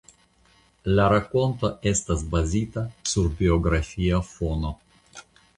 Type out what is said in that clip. La rakonto estas bazita sur biografia fono.